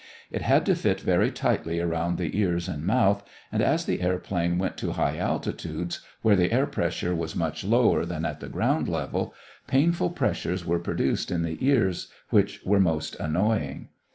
It had to fit very tightly around the ears and the mouth, and as the airplane went to high altitudes where the air pressure was much lower than at the ground level, painful pressures were produced in the ears which were most annoying.